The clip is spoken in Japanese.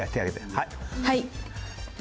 はい。